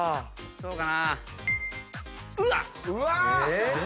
どうかな？